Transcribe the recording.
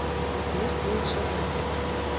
Ёсць і іншыя прыклады.